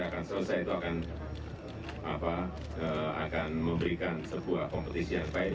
akan selesai itu akan memberikan sebuah kompetisi yang baik